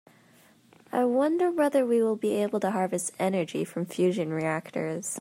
I wonder whether we will be able to harvest energy from fusion reactors.